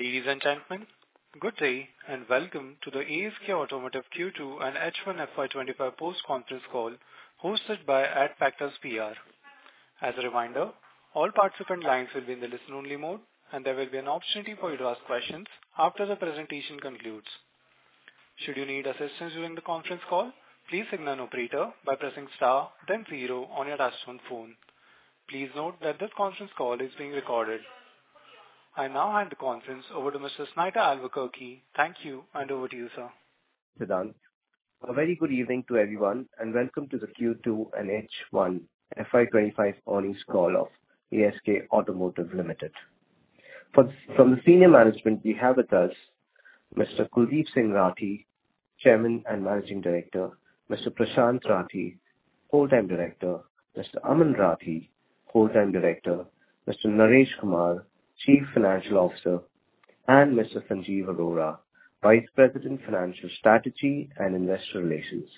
Ladies and gentlemen, good day and welcome to the ASK Automotive Q2 and H1 FY25 Post-Conference Call hosted by Adfactors PR. As a reminder, all participant lines will be in the listen-only mode, and there will be an opportunity for you to ask questions after the presentation concludes. Should you need assistance during the conference call, please signal an operator by pressing star, then zero on your touch-tone phone. Please note that this conference call is being recorded. I now hand the conference over to Mr. Sanjeev Arora. Thank you, and over to you, sir. Siddharth. A very good evening to everyone, and welcome to the Q2 and H1 FY25 earnings call of ASK Automotive Limited. From the senior management, we have with us Mr. Kuldeep Singh Rathee, Chairman and Managing Director, Mr. Prashant Rathee,, Full-Time Director, Mr. Aman Rathee, Full-Time Director, Mr. Naresh Kumar, Chief Financial Officer, and Mr. Sanjeev Arora, Vice President, Financial Strategy and Investor Relations.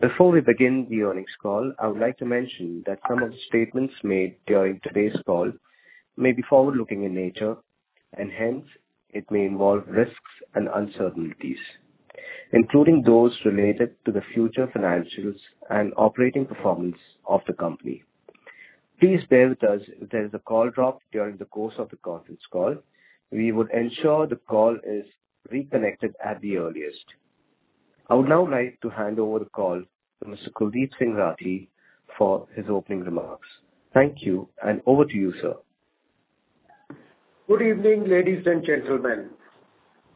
Before we begin the earnings call, I would like to mention that some of the statements made during today's call may be forward-looking in nature, and hence, it may involve risks and uncertainties, including those related to the future financials and operating performance of the company. Please bear with us if there is a call drop during the course of the conference call. We would ensure the call is reconnected at the earliest. I would now like to hand over the call to Mr. Kuldeep Singh Rathee for his opening remarks. Thank you, and over to you, sir. Good evening, ladies and gentlemen.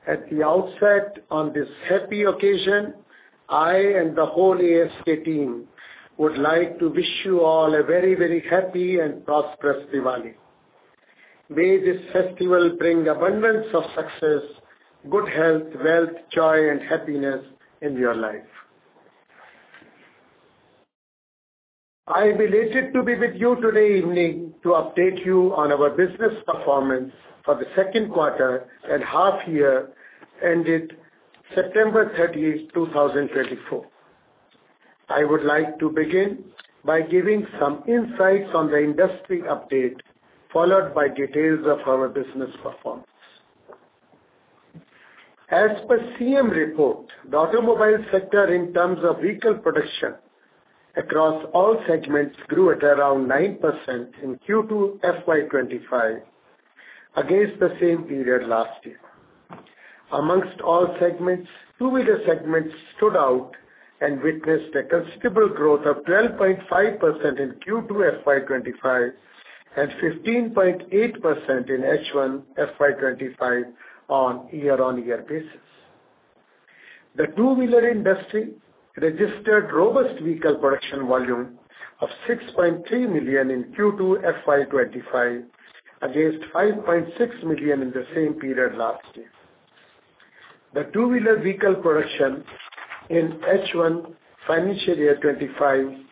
At the outset on this happy occasion, I and the whole ASK team would like to wish you all a very, very happy and prosperous Diwali. May this festival bring abundance of success, good health, wealth, joy, and happiness in your life. I'm elated to be with you today evening to update you on our business performance for the second quarter and half-year ended September 30th, 2024. I would like to begin by giving some insights on the industry update, followed by details of our business performance. As per SIAM report, the automobile sector, in terms of vehicle production across all segments, grew at around 9% in Q2 FY25 against the same period last year. Amongst all segments, two-wheeler segments stood out and witnessed a considerable growth of 12.5% in Q2 FY25 and 15.8% in H1 FY25 on year-on-year basis. The two-wheeler industry registered robust vehicle production volume of 6.3 million in Q2 FY25 against 5.6 million in the same period last year. The two-wheeler vehicle production in H1 financial year 2025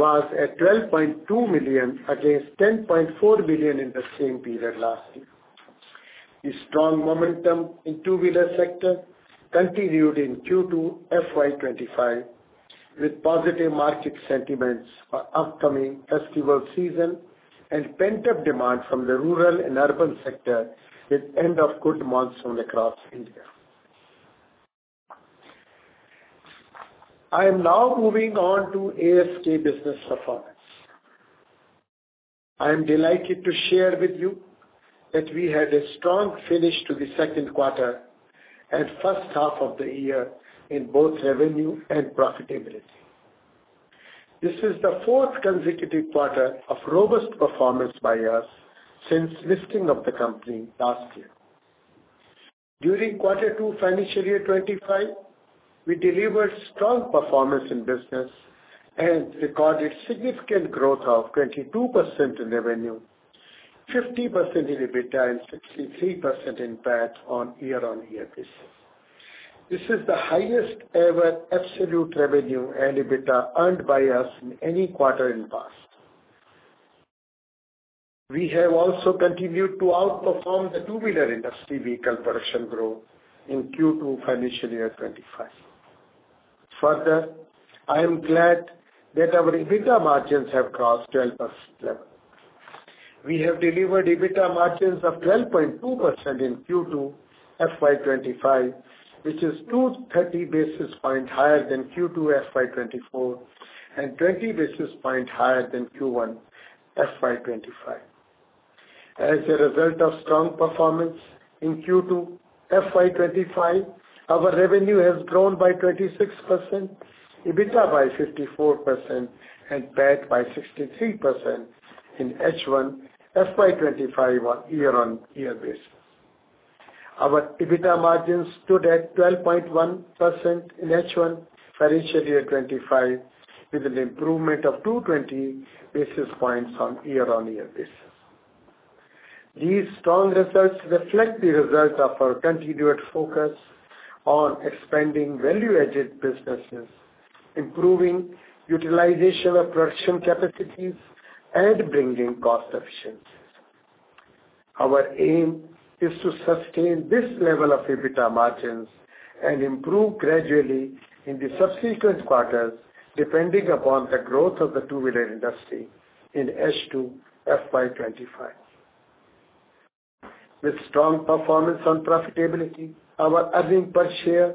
was at 12.2 million against 10.4 million in the same period last year. The strong momentum in the two-wheeler sector continued in Q2 FY25 with positive market sentiments for the upcoming festival season and pent-up demand from the rural and urban sector with the end of the good monsoon across India. I am now moving on to ASK business performance. I am delighted to share with you that we had a strong finish to the second quarter and first half of the year in both revenue and profitability. This is the fourth consecutive quarter of robust performance by us since the listing of the company last year. During quarter two financial year 2025, we delivered strong performance in business and recorded significant growth of 22% in revenue, 50% in EBITDA, and 63% in PAT on year-on-year basis. This is the highest-ever absolute revenue and EBITDA earned by us in any quarter in the past. We have also continued to outperform the two-wheeler industry vehicle production growth in Q2 financial year 2025. Further, I am glad that our EBITDA margins have crossed the 12% level. We have delivered EBITDA margins of 12.2% in Q2 FY 2025, which is 230 basis points higher than Q2 FY 2024 and 20 basis points higher than Q1 FY 2025. As a result of strong performance in Q2 FY 2025, our revenue has grown by 26%, EBITDA by 54%, and PAT by 63% in H1 FY 2025 on year-on-year basis. Our EBITDA margins stood at 12.1% in H1 financial year 2025, with an improvement of 220 basis points on year-on-year basis. These strong results reflect the result of our continued focus on expanding value-added businesses, improving utilization of production capacities, and bringing cost efficiencies. Our aim is to sustain this level of EBITDA margins and improve gradually in the subsequent quarters, depending upon the growth of the two-wheeler industry in H2 FY 2025. With strong performance on profitability, our earnings per share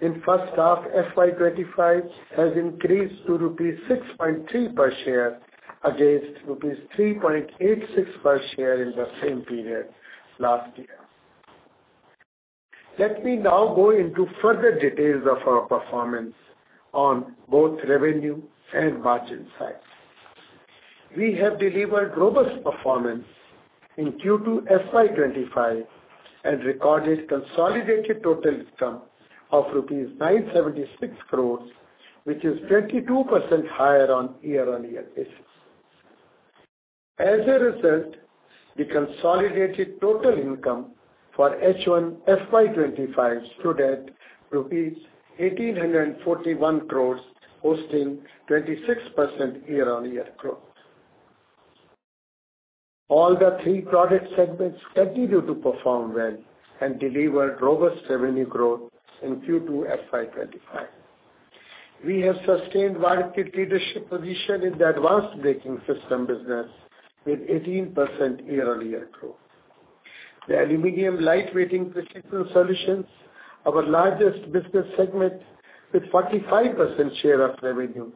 in first half FY 2025 has increased to rupees 6.3 per share against rupees 3.86 per share in the same period last year. Let me now go into further details of our performance on both revenue and margin sides. We have delivered robust performance in Q2 FY 2025 and recorded consolidated total income of rupees 976 crores, which is 22% higher on year-on-year basis. As a result, the consolidated total income for H1 FY25 stood at ₹1,841 crores, posting 26% year-on-year growth. All the three product segments continue to perform well and deliver robust revenue growth in Q2 FY25. We have sustained a market leadership position in the Advanced Braking Systems business with 18% year-on-year growth. The Aluminium Lightweighting Precision Solutions, our largest business segment with 45% share of revenue,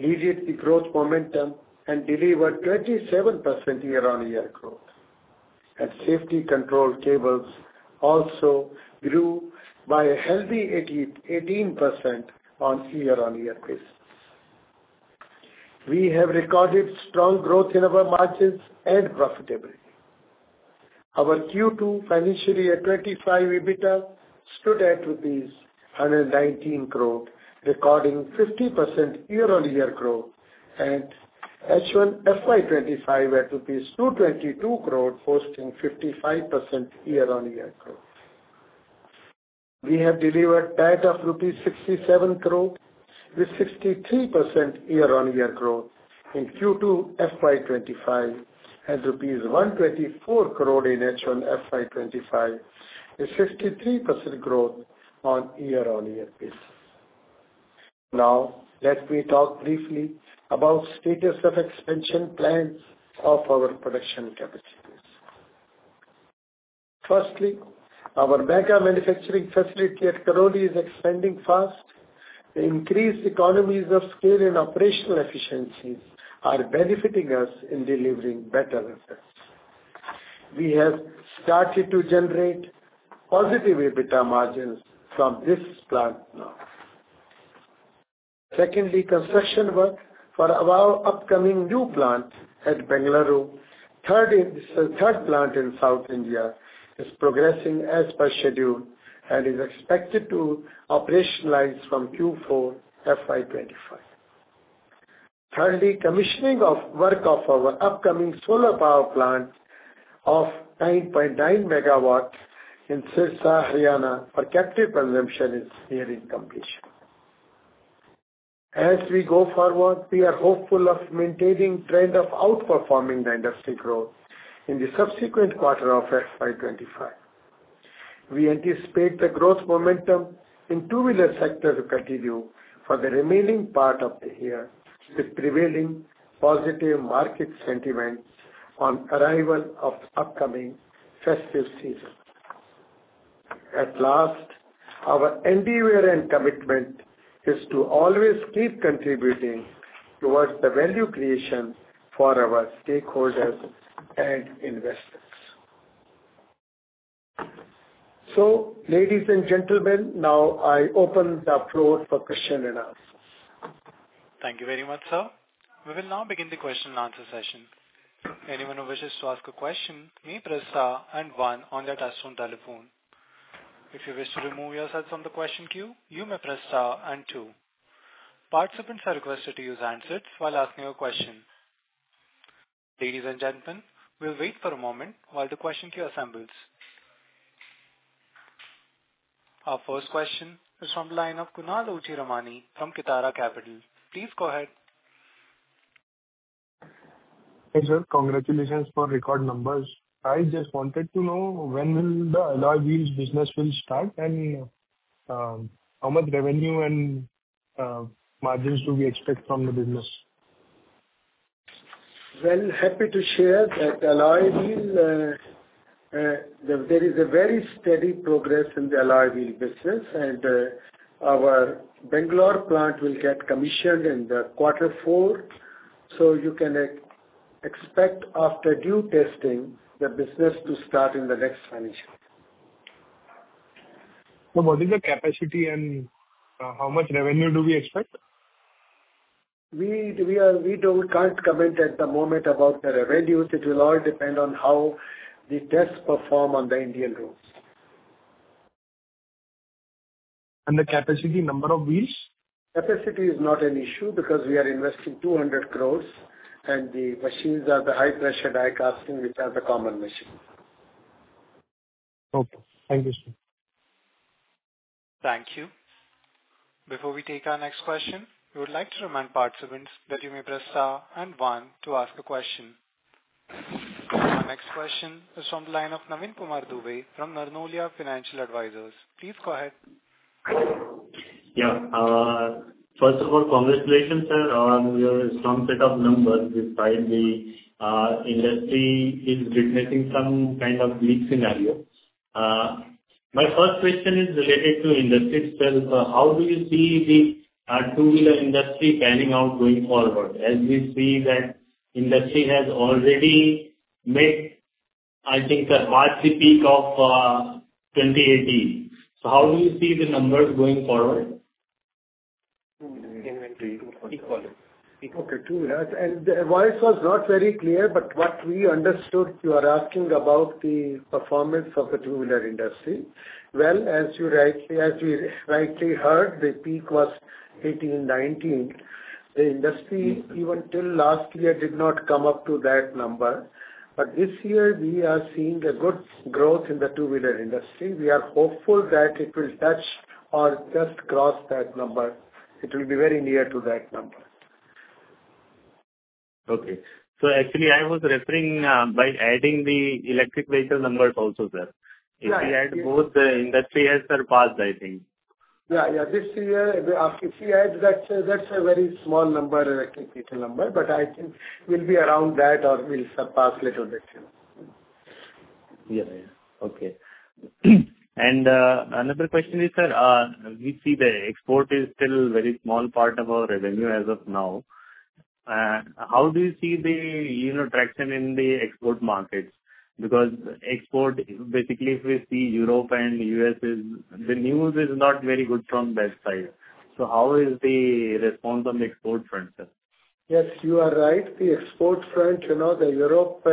maintained the growth momentum and deliver 27% year-on-year growth, and Safety Control Cables also grew by a healthy 18% on year-on-year basis. We have recorded strong growth in our margins and profitability. Our Q2 financial year '25 EBITDA stood at ₹119 crore, recording 50% year-on-year growth, and H1 FY25 at ₹222 crore, posting 55% year-on-year growth. We have delivered PAT of ₹67 crore, with 63% year-on-year growth in Q2 FY25, and ₹124 crore in H1 FY25, with 63% growth on year-on-year basis. Now, let me talk briefly about the status of expansion plans of our production capacities. Firstly, our mega manufacturing facility at Karoli is expanding fast. The increased economies of scale and operational efficiencies are benefiting us in delivering better results. We have started to generate positive EBITDA margins from this plant now. Secondly, construction work for our upcoming new plant at Bengaluru, the third plant in South India, is progressing as per schedule and is expected to operationalize from Q4 FY25. Thirdly, commissioning of work of our upcoming solar power plant of 9.9 megawatts in Sirsa, Haryana for captive consumption is nearing completion. As we go forward, we are hopeful of maintaining the trend of outperforming the industry growth in the subsequent quarter of FY25. We anticipate the growth momentum in the two-wheeler sector to continue for the remaining part of the year, with prevailing positive market sentiment on the arrival of the upcoming festive season. At last, our endeavor and commitment is to always keep contributing towards the value creation for our stakeholders and investors. So, ladies and gentlemen, now I open the floor for questions and answers. Thank you very much, sir. We will now begin the question and answer session. Anyone who wishes to ask a question may press star and one on their touch-tone telephone. If you wish to remove yourself from the question queue, you may press star and two. Participants are requested to use handsets while asking a question. Ladies and gentlemen, we'll wait for a moment while the question queue assembles. Our first question is from the line of Kunal Ochiramani from Kitara Capital. Please go ahead. Hey, sir. Congratulations for record numbers. I just wanted to know when will the Alloy Wheels business start and how much revenue and margins do we expect from the business? Happy to share that Alloy Wheels, there is a very steady progress in the Alloy Wheel business, and our Bengaluru plant will get commissioned in the quarter four. You can expect, after due testing, the business to start in the next financial year. What is the capacity and how much revenue do we expect? We don't comment at the moment about the revenues. It will all depend on how the tests perform on the Indian roads. The capacity number of wheels? Capacity is not an issue because we are investing 200 crores, and the machines are the high-pressure die casting, which are the common machines. Okay. Thank you, sir. Thank you. Before we take our next question, we would like to remind participants that you may press star and one to ask a question. Our next question is from the line of Naveen Kumar Dubey from Narnolia Financial Advisors. Please go ahead. Yeah. First of all, congratulations, sir, on your strong set of numbers. It's time the industry is witnessing some kind of bleak scenario. My first question is related to the industry itself. How do you see the two-wheeler industry panning out going forward as we see that industry has already met, I think, the market peak of 2018? So how do you see the numbers going forward? Inventory. Equally. Equally. Okay. Two-wheelers. And the voice was not very clear, but what we understood you are asking about the performance of the two-wheeler industry. Well, as you rightly heard, the peak was 18, 19. The industry, even till last year, did not come up to that number. But this year, we are seeing a good growth in the two-wheeler industry. We are hopeful that it will touch or just cross that number. It will be very near to that number. Okay. So actually, I was referring by adding the electric vehicle numbers also, sir. If we add both, the industry has surpassed, I think. Yeah. Yeah. This year, if we add that, that's a very small number, electric vehicle number, but I think we'll be around that or we'll surpass a little bit too. Another question is, sir, we see the export is still a very small part of our revenue as of now. How do you see the traction in the export markets? Because export, basically, if we see Europe and the U.S., the news is not very good from that side. So how is the response on the export front, sir? Yes. You are right. The export front, the Europe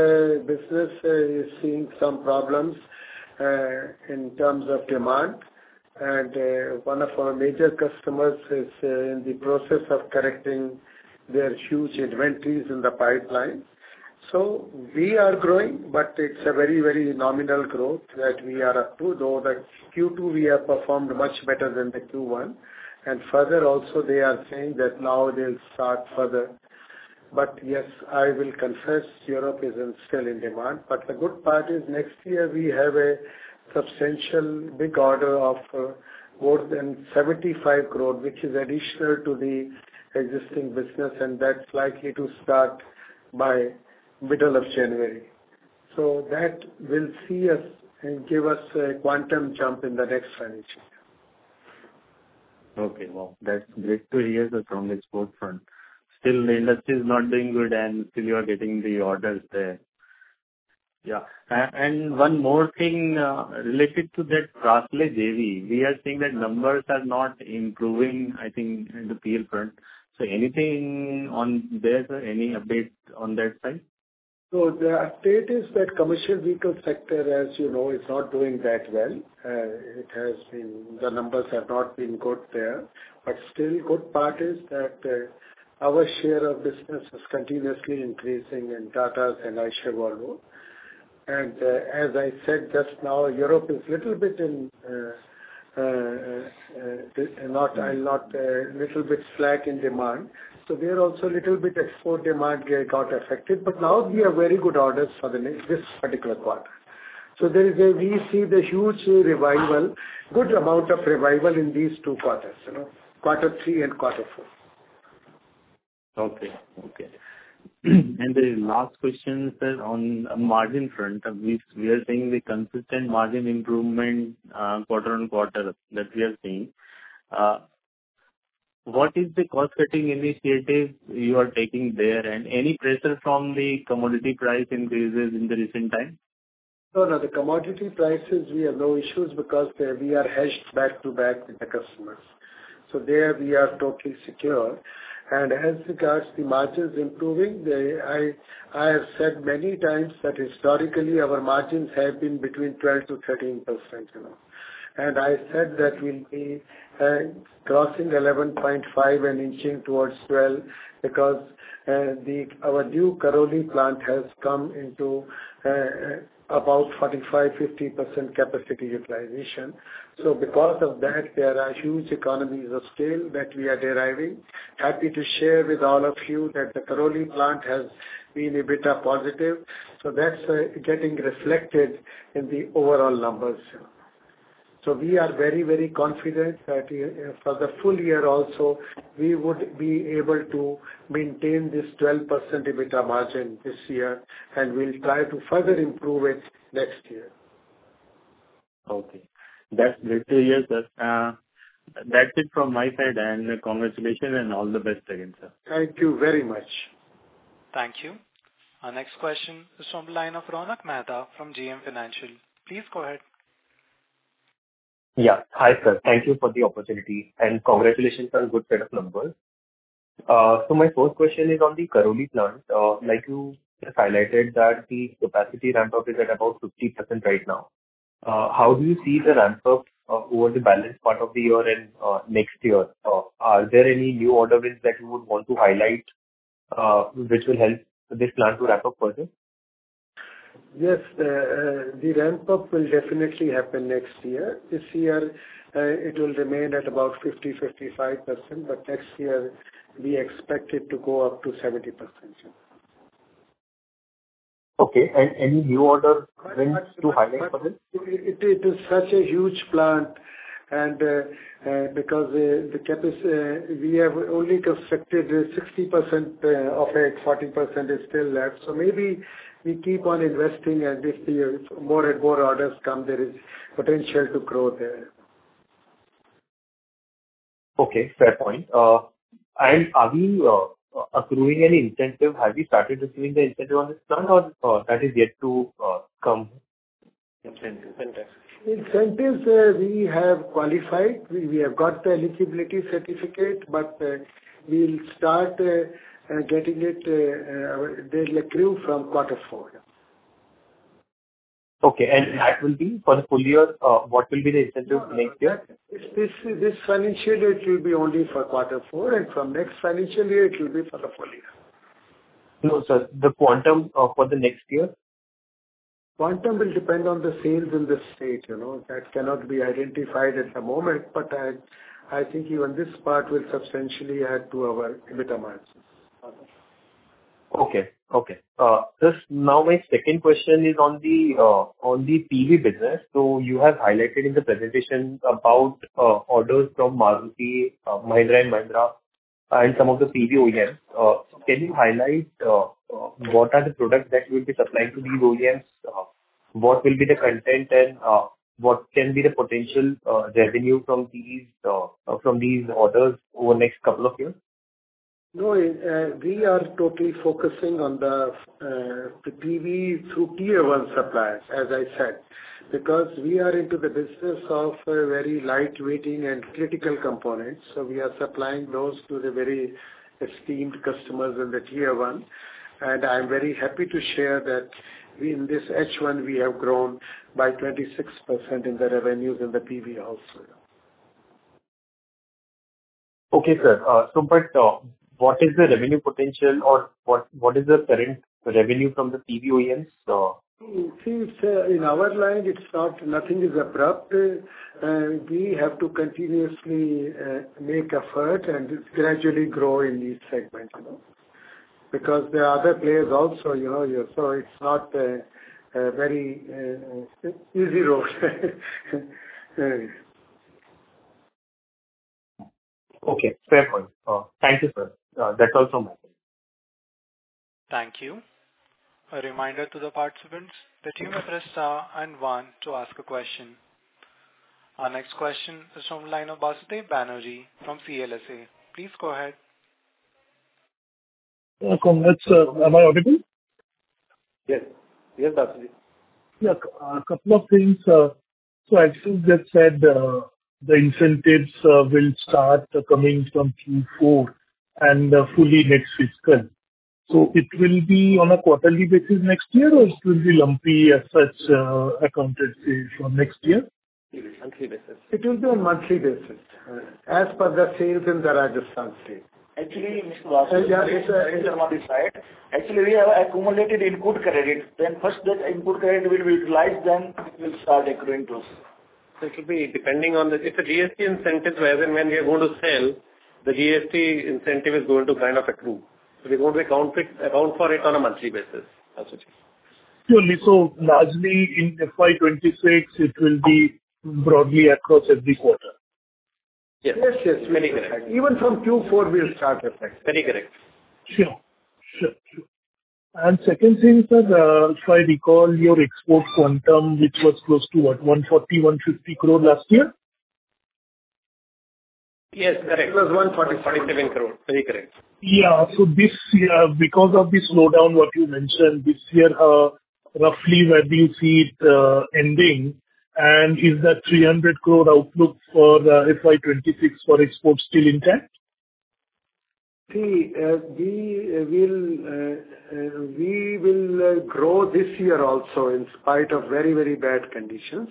business is seeing some problems in terms of demand. And one of our major customers is in the process of correcting their huge inventories in the pipeline. So we are growing, but it's a very, very nominal growth that we are up to. Though the Q2, we have performed much better than the Q1. And further, also, they are saying that now they'll start further. But yes, I will confess, Europe is still in demand. But the good part is next year, we have a substantial big order of more than 75 crore, which is additional to the existing business, and that's likely to start by the middle of January. So that will see us and give us a quantum jump in the next financial year. Okay. Well, that's great to hear the strong export front. Still, the industry is not doing good, and still, you are getting the orders there. Yeah. And one more thing related to that, P&L, we are seeing that numbers are not improving, I think, in the P&L front. So anything on there, sir? Any update on that side? The update is that the commercial vehicle sector, as you know, is not doing that well. The numbers have not been good there. But still, the good part is that our share of business is continuously increasing in Tatas and Eicher Volvo. And as I said just now, Europe is a little bit in a little bit flat in demand. So there also, a little bit, export demand got affected. But now, we have very good orders for this particular quarter. So we see the huge revival, good amount of revival in these two quarters, quarter three and quarter four. Okay. And the last question, sir, on the margin front. We are seeing the consistent margin improvement quarter on quarter that we are seeing. What is the cost-cutting initiative you are taking there? And any pressure from the commodity price increases in the recent time? No, no. The commodity prices, we have no issues because we are hedged back to back with the customers. So there, we are totally secure. And as regards to the margins improving, I have said many times that historically, our margins have been between 12%-13%. And I said that we'll be crossing 11.5 and inching towards 12 because our new Karoli plant has come into about 45%-50% capacity utilization. So because of that, there are huge economies of scale that we are deriving. Happy to share with all of you that the Karoli plant has been EBITDA positive. So that's getting reflected in the overall numbers. So we are very, very confident that for the full year also, we would be able to maintain this 12% EBITDA margin this year, and we'll try to further improve it next year. Okay. That's great to hear, sir. That's it from my side. And congratulations and all the best again, sir. Thank you very much. Thank you. Our next question is from the line of Ronak Mehta from JM Financial. Please go ahead. Yeah. Hi, sir. Thank you for the opportunity and congratulations on a good set of numbers. So my first question is on the Karoli plant. Like you just highlighted, the capacity ramp-up is at about 50% right now. How do you see the ramp-up over the balance of the year and next year? Are there any new order wins that you would want to highlight which will help this plant to ramp up further? Yes. The ramp-up will definitely happen next year. This year, it will remain at about 50-55%, but next year, we expect it to go up to 70%. Okay. And any new order wins to highlight for them? It is such a huge plant, and because we have only constructed 60% of it, 40% is still left, so maybe we keep on investing, and if more and more orders come, there is potential to grow there. Okay. Fair point. And are we accruing any incentive? Have we started receiving the incentive on this plant, or that is yet to come? Incentives. We have qualified. We have got the eligibility certificate, but we'll start getting the accrual from quarter four. Okay. And that will be for the full year? What will be the incentive next year? This financial year, it will be only for quarter four, and from next financial year, it will be for the full year. No, sir. The quantum for the next year? Quantum will depend on the sales in the state. That cannot be identified at the moment, but I think even this part will substantially add to our EBITDA margins. Okay. Okay. Now, my second question is on the PV business. So you have highlighted in the presentation about orders from Mahindra & Mahindra and some of the PV OEMs. Can you highlight what are the products that you will be supplying to these OEMs? What will be the content, and what can be the potential revenue from these orders over the next couple of years? No. We are totally focusing on the PV through Tier 1 suppliers, as I said, because we are into the business of very light-weighting and critical components, so we are supplying those to the very esteemed customers in the Tier 1, and I'm very happy to share that in this H1, we have grown by 26% in the revenues in the PV also. Okay, sir. But what is the revenue potential, or what is the current revenue from the PV OEMs? See, sir, in our line, nothing is abrupt. We have to continuously make effort and gradually grow in these segments because there are other players also. So it's not a very easy road. Okay. Fair point. Thank you, sir. That's all from my side. Thank you. A reminder to the participants that you may press star and one to ask a question. Our next question is from the line of Basudeb Banerjee from CLSA. Please go ahead. Welcome. Am I audible? Yes. Yes, Basudeb. Yeah. A couple of things. So as you just said, the incentives will start coming from Q4 and fully next fiscal. So it will be on a quarterly basis next year, or it will be lumpy as such accounted for next year? It will be on monthly basis. It will be on monthly basis as per the sales in the Rajasthan state. Actually, Mr. Basudeb. Yeah. It's on my side. Actually, we have accumulated input credit. When first that input credit will be utilized, then it will start accruing to us. So it will be depending on the GST incentive, whether when we are going to sell, the GST incentive is going to kind of accrue. So we're going to account for it on a monthly basis. Surely. So largely in FY 26, it will be broadly across every quarter. Yes. Yes. Yes. Very correct. Even from Q4, we'll start affected. Very correct. Sure. Sure. Sure. And second thing, sir, if I recall, your export quantum, which was close to what, 140-150 crore last year? Yes. Correct. It was 140.47 crore. Very correct. Yeah. So because of the slowdown, what you mentioned, this year, roughly, where do you see it ending? And is that 300 crore outlook for FY 26 for exports still intact? See, we will grow this year also in spite of very, very bad conditions.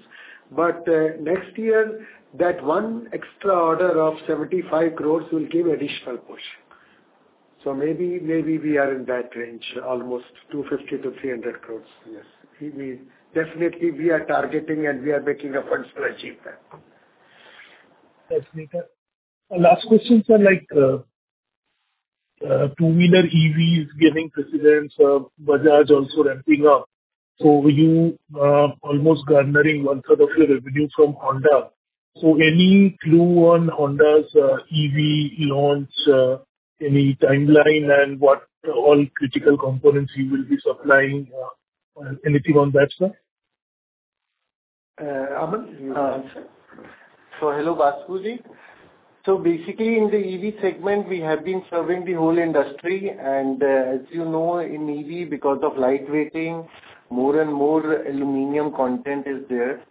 But next year, that one extra order of 75 crores will give additional push. So maybe we are in that range, almost 250 crores-300 crores. Yes. Definitely, we are targeting, and we are making efforts to achieve that. That's neat. Last question, sir. Two-wheeler EVs giving precedence, Bajaj also ramping up. So you are almost garnering one-third of your revenue from Honda. So any clue on Honda's EV launch, any timeline, and what all critical components you will be supplying, anything on that, sir? Aman, you can answer. So hello, Basudev. So basically, in the EV segment, we have been serving the whole industry. And as you know, in EV, because of lightweighting, more and more aluminium content is there.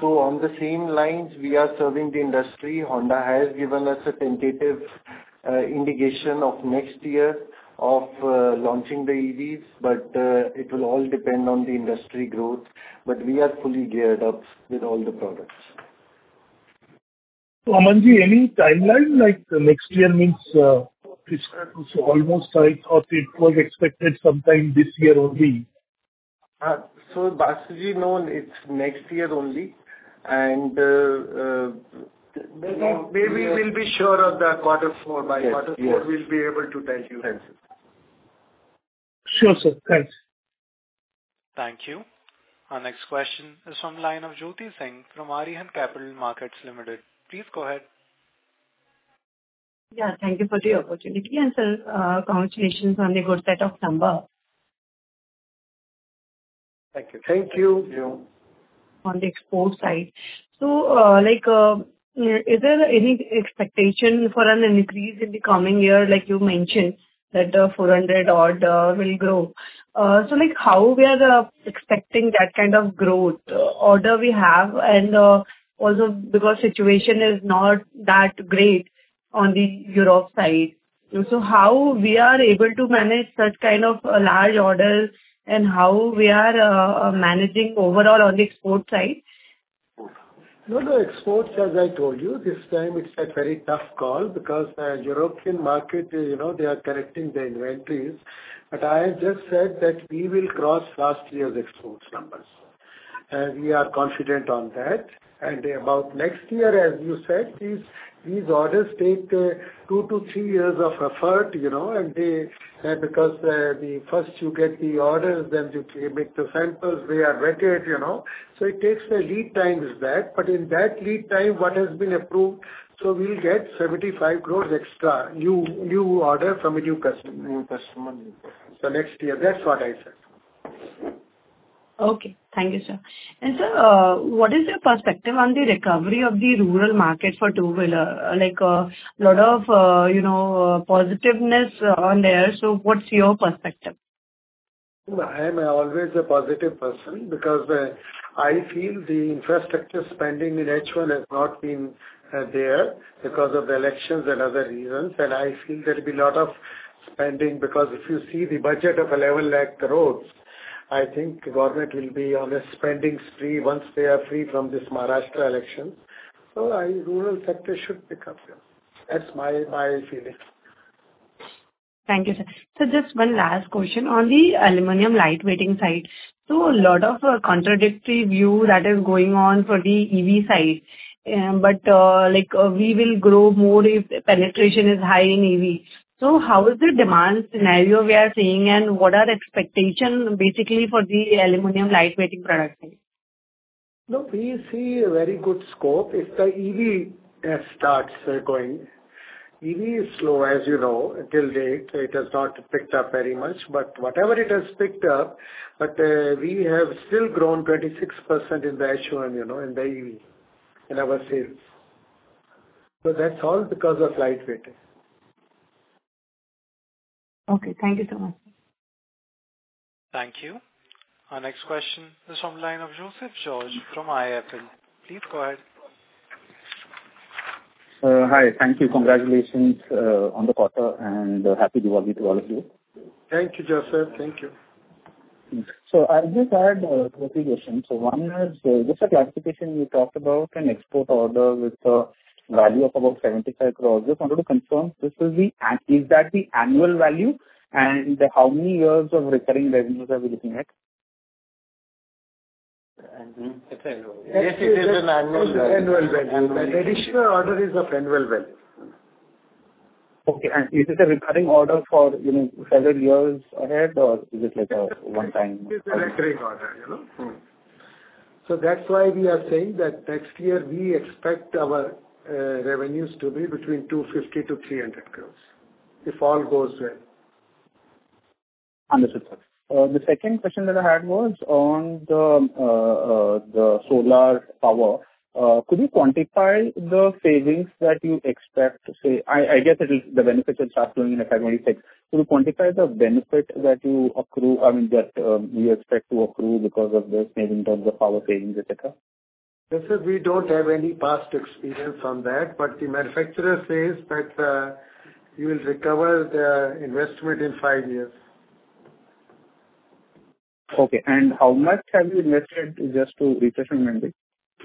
So on the same lines, we are serving the industry. Honda has given us a tentative indication of next year of launching the EVs, but it will all depend on the industry growth. But we are fully geared up with all the products. So Amanji, any timeline? Next year means almost, or it was expected sometime this year only? So, Basudeb, no. It's next year only. And maybe we'll be sure of the quarter four. By quarter four, we'll be able to tell you. Thank you. Sure, sir. Thanks. Thank you. Our next question is from the line of Jyoti Singh from Arihant Capital Markets Limited. Please go ahead. Yeah. Thank you for the opportunity, and sir, congratulations on the good set of numbers. Thank you. Thank you. Thank you. On the export side. So is there any expectation for an increase in the coming year? Like you mentioned, that the 400 order will grow. So how we are expecting that kind of growth order we have? And also, because the situation is not that great on the Europe side, so how we are able to manage such kind of large orders and how we are managing overall on the export side? No, the exports, as I told you, this time it's a very tough call because the European market, they are collecting the inventories. But I have just said that we will cross last year's exports numbers. And we are confident on that. And about next year, as you said, these orders take two to three years of effort. And because first, you get the orders, then you make the samples, they are vetted. So it takes a lead time with that. But in that lead time, what has been approved, so we'll get 75 crores extra, new order from a new customer. So next year, that's what I said. Okay. Thank you, sir. And sir, what is your perspective on the recovery of the rural market for two-wheeler? A lot of positiveness on there. So what's your perspective? I am always a positive person because I feel the infrastructure spending in H1 has not been there because of the elections and other reasons, and I feel there will be a lot of spending because if you see the budget of 11 lakh crores, I think the government will be on a spending spree once they are free from this Maharashtra election, so the rural sector should pick up. That's my feeling. Thank you, sir. So just one last question on the aluminum lightweighting side. So a lot of contradictory view that is going on for the EV side. But we will grow more if the penetration is high in EV. So how is the demand scenario we are seeing, and what are the expectations basically for the aluminum lightweighting product? No, we see a very good scope if the EV starts going. EV is slow, as you know. To date, it has not picked up very much. But whatever it has picked up, we have still grown 26% in the H1, in the EV, in our sales. But that's all because of lightweighting. Okay. Thank you so much. Thank you. Our next question is from the line of Joseph George from IIFL. Please go ahead. Hi. Thank you. Congratulations on the quarter, and happy Diwali to all of you. Thank you, Joseph. Thank you. So I just had two questions. So one is, just a clarification, you talked about an export order with a value of about 75 crores. Just wanted to confirm, is that the annual value, and how many years of recurring revenues are we looking at? It's annual. Yes, it is an annual value. Annual value. Additional order is of annual value. Okay. And is it a recurring order for several years ahead, or is it like a one-time? It's a recurring order. So that's why we are saying that next year, we expect our revenues to be between 250 to 300 crores if all goes well. Understood, sir. The second question that I had was on the solar power. Could you quantify the savings that you expect? I guess the benefits are starting in FY 2026. Could you quantify the benefit that you accrue? I mean, that you expect to accrue because of the savings in terms of power savings, etc.? Yes, sir. We don't have any past experience on that, but the manufacturer says that we will recover the investment in five years. Okay, and how much have you invested just to refresh my memory?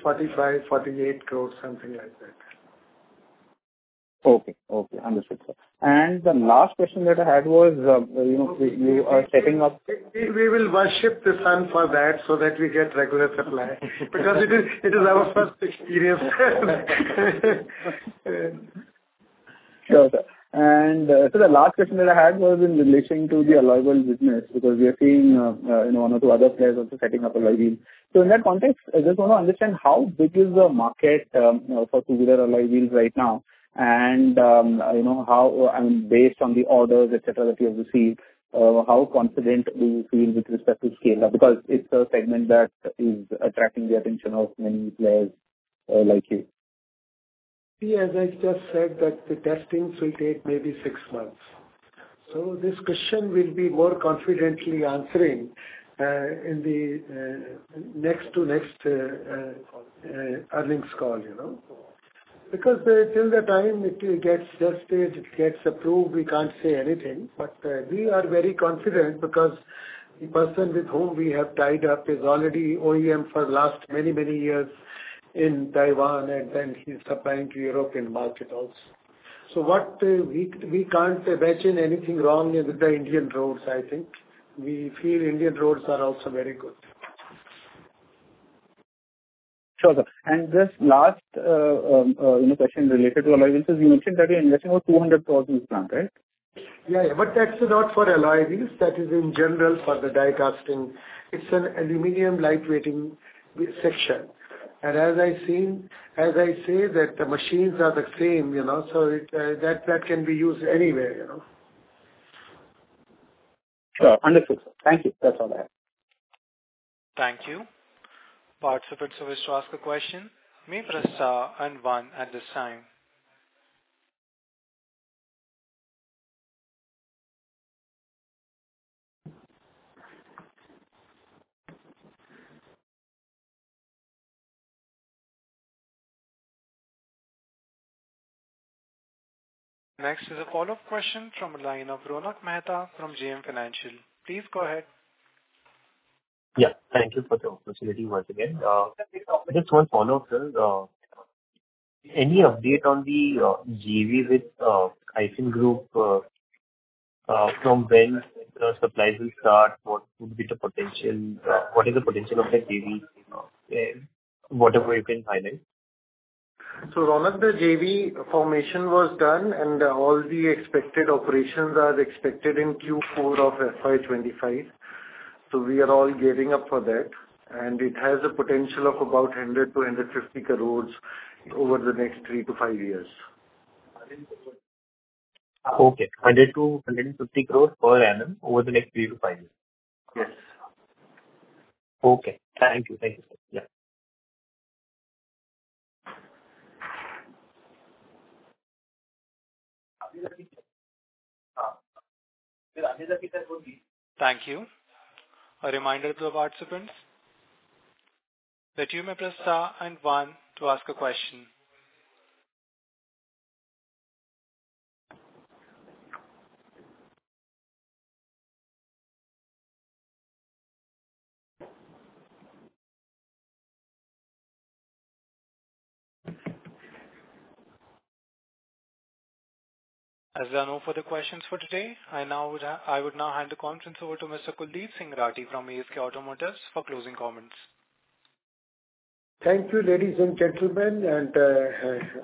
45-INR 48 crores, something like that. Okay. Okay. Understood, sir. And the last question that I had was, we are setting up. We will worship the sun for that so that we get regular supply because it is our first experience. Sure, sir. And so the last question that I had was in relation to the alloy business because we are seeing one or two other players also setting up alloy wheels. So in that context, I just want to understand how big is the market for two-wheeler alloy wheels right now? And based on the orders, etc., that you have received, how confident do you feel with respect to scale-up? Because it's a segment that is attracting the attention of many players like you. Yes. I just said that the testing will take maybe six months. So this question will be more confidently answered in the next to next earnings call. Because till the time it gets tested, it gets approved, we can't say anything. But we are very confident because the person with whom we have tied up is already OEM for the last many, many years in Taiwan, and then he's supplying to the European market also. So we can't imagine anything wrong with the Indian roads, I think. We feel Indian roads are also very good. Sure, sir. And just last question related to alloy wheels, you mentioned that you're investing about 200 crore plant, right? Yeah. But that's not for alloy wheels. That is in general for the die-casting. It's an aluminum light weighting section. And as I say, that the machines are the same, so that can be used anywhere. Sure. Understood, sir. Thank you. That's all I have. Thank you. Participants, who wish to ask a question, may press star and one at the same. Next is a follow-up question from the line of Ronak Mehta from JM Financial. Please go ahead. Yeah. Thank you for the opportunity once again. Just one follow-up, sir. Any update on the JV with Aisin Group from when the supplies will start? What would be the potential? What is the potential of the JV? Whatever you can highlight. Ronak, the JV formation was done, and all the expected operations are expected in Q4 of FY 2025. We are all gearing up for that. It has a potential of about 100 crore to 150 crore over the next three to five years. Okay. 100-150 crores per annum over the next three to five years. Yes. Okay. Thank you. Thank you, sir. Yeah. Thank you. A reminder to the participants. You may press star one to ask a question. As there are no further questions for today, I would now hand the conference over to Mr. Kuldeep Singh Rathee from ASK Automotive for closing comments. Thank you, ladies and gentlemen. And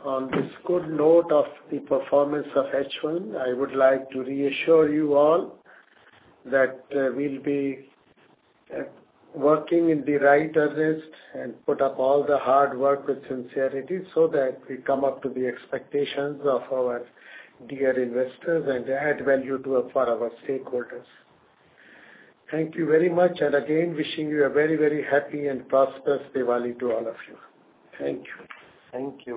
on this good note of the performance of H1, I would like to reassure you all that we'll be working in the right earnest and put up all the hard work with sincerity so that we come up to the expectations of our dear investors and add value for our stakeholders. Thank you very much. And again, wishing you a very, very happy and prosperous Diwali to all of you. Thank you. Thank you.